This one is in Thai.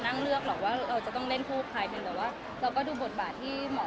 แสวได้ไงของเราก็เชียนนักอยู่ค่ะเป็นผู้ร่วมงานที่ดีมาก